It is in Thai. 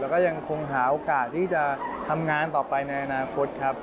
แล้วก็ยังคงหาโอกาสที่จะทำงานต่อไปในอนาคตครับ